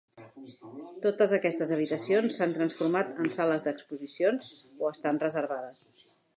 Totes aquestes habitacions s'han transformat en sales d'exposicions o estan reservades.